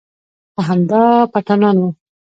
خو همدا پټانان و.